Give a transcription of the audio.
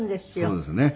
そうですよね。